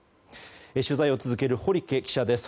取材を続ける堀家記者です。